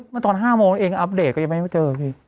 มันตอน๕โมงเองอัปเดตก็ยังไม่เจอ